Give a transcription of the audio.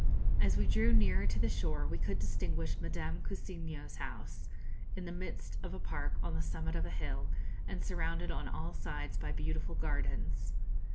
As we drew nearer to the shore we could distinguish Madame Cousiño's house, in the midst of a park on the summit of a hill, and surrounded on all sides by beautiful gardens.